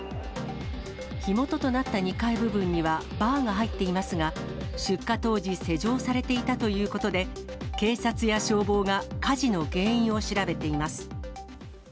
火元となった２階部分にはバーが入っていますが、出火当時、施錠されていたということで、警察や消防が火事の原因を調べています。